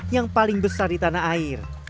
yang paling besar di tanah air